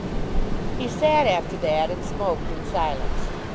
He sat after that and smoked in silence.